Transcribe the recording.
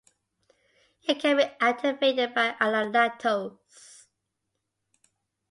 It can be activated by allolactose.